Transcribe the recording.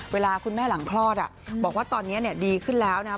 เวลาคุณแม่หลังคลอดบอกว่าตอนนี้ดีขึ้นแล้วนะครับ